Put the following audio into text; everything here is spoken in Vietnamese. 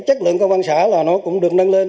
chất lượng công an xã cũng được nâng lên